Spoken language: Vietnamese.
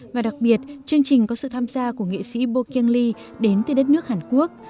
và đặc biệt chương trình có sự tham gia của nghệ sĩ bô kiêng ly đến từ đất nước hàn quốc